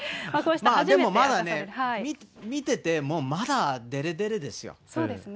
でもまだね、見てても、まだでれそうですね。